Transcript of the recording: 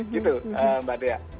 gitu mbak dea